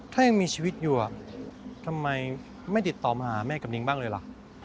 ถ้ายังมีชีวิตอยู่ทำไมไม่ติดต่อมาหาแม่กับนิ้งบ้างเลยล่ะ